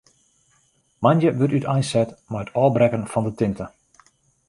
Moandei wurdt úteinset mei it ôfbrekken fan de tinte.